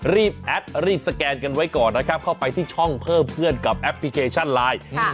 แอดรีบสแกนกันไว้ก่อนนะครับเข้าไปที่ช่องเพิ่มเพื่อนกับแอปพลิเคชันไลน์